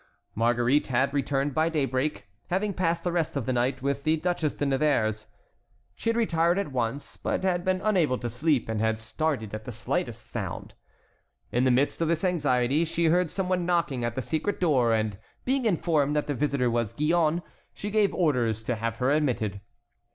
Marguerite had returned at daybreak, having passed the rest of the night with the Duchesse de Nevers. She had retired at once, but had been unable to sleep, and had started at the slightest sound. In the midst of this anxiety she heard some one knocking at the secret door, and being informed that the visitor was Gillonne, she gave orders to have her admitted.